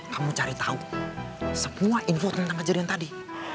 kamu cari tau semua info tentang ajaran tadi